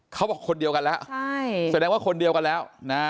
เขาบอกคนเดียวกันแล้วแสดงว่าคนเดียวกันแล้วนะ